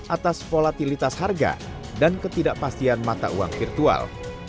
atas volatilitas harga dan ketidakpastian mata uang virtual